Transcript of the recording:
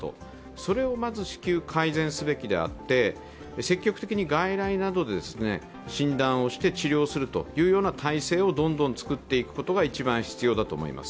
それを至急改善すべきであって積極的に外来などで診断をして治療するという体制をどんどん作っていくことが一番必要だと思います。